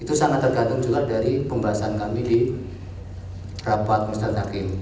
itu sangat tergantung juga dari pembahasan kami di rapat mustad hakim